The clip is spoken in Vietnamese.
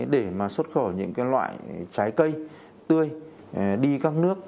để mà xuất khẩu những loại trái cây tươi đi các nước